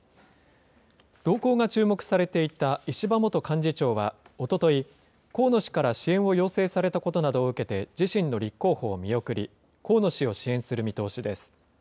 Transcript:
動向が注目されていた石破元幹事長はおととい、河野氏から支援を要請されたことなどを受けて、自身の立候補を見送り、河野氏を支援する見通しです。